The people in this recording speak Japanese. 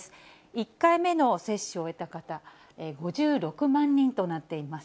１回目の接種を終えた方５６万人となっています。